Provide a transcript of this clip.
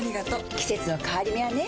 季節の変わり目はねうん。